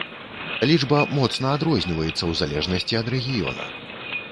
Лічба моцна адрозніваецца ў залежнасці ад рэгіёна.